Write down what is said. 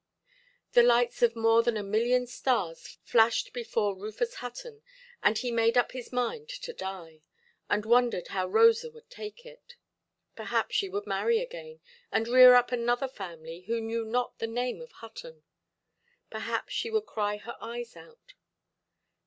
The lights of more than a million stars flashed before Rufus Hutton, and he made up his mind to die, and wondered how Rosa would take it. Perhaps she would marry again, and rear up another family who knew not the name of Hutton; perhaps she would cry her eyes out.